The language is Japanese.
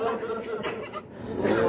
すごい！